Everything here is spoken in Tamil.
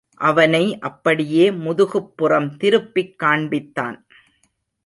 அவனை அப்படியே முதுகுப்புறம் திருப்பிக் காண்பித்தான்.